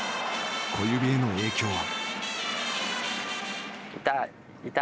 小指への影響は？